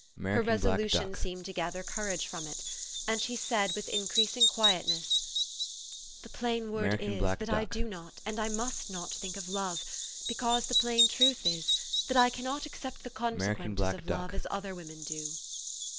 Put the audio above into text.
Her resolution seemed to gather courage from it ; and she said with increasing quietness, "The plain word is, that I do not, and I must not, think of love, because the plain truth is, that I cannot accept the consequences of love as other women do."